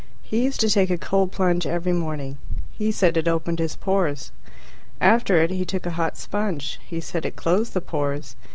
He used to take a cold plunge every morning. He said it opened his pores. After it he took a hot sponge. He said it closed the pores.